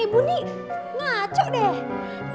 ibu nih ngaco deh